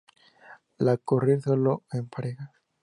La ocurrir solo o en parejas.